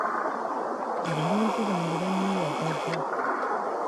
Abalonzi bange banneeyagaza.